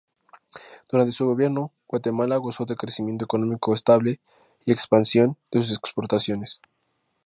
Durante su gobierno, Guatemala gozó de crecimiento económico estable y expansión de sus exportaciones.